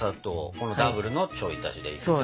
このダブルのちょい足しで。